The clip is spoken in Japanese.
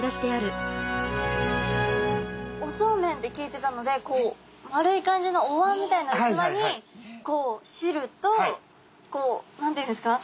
おそうめんって聞いてたのでこう丸い感じのおわんみたいなうつわにこう汁とこう何て言うんですか？